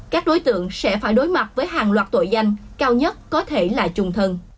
các đối tượng sẽ phải đối mặt với hàng loạt tội danh cao nhất có thể là trung thân